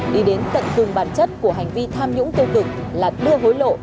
đi đến tận cùng bản chất của hành vi tham nhũng tiêu cực là đưa hối lộ